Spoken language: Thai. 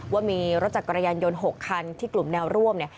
ว่ามีรถจัดกระยันยนต์๖คันที่กลุ่มแนวร่วม